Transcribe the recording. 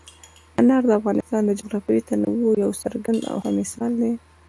انار د افغانستان د جغرافیوي تنوع یو څرګند او ښه مثال دی.